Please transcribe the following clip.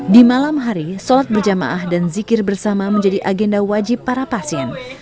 di malam hari sholat berjamaah dan zikir bersama menjadi agenda wajib para pasien